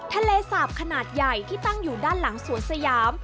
ทะเลสาบขนาดใหญ่ที่ตั้งอยู่ด้านหลังสวนสยาม